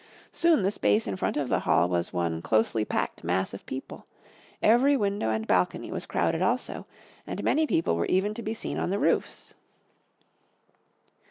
Soon the space in front of the hall was one closely packed mass of people; every window and balcony was crowded also, and people were even to be seen on the roofs.